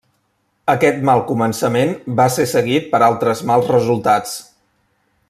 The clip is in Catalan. Aquest mal començament va ser seguit per altres mals resultats.